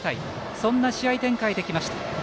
そんな試合展開できました。